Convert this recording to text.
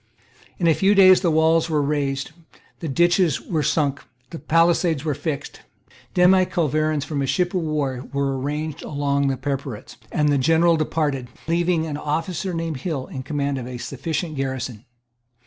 In a few days the walls were raised; the ditches were sunk; the pallisades were fixed; demiculverins from a ship of war were ranged along the parapets, and the general departed, leaving an officer named Hill in command of a sufficient garrison.